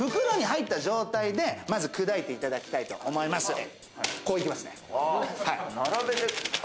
およそ２４円の袋に入った状態で、まず砕いていただきたいと思います。